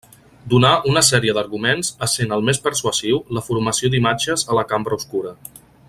Donà una sèrie d'arguments essent el més persuasiu la formació d’imatges a la cambra obscura.